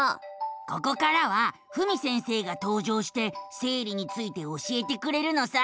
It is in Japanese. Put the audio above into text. ここからはふみ先生がとう場して生理について教えてくれるのさ。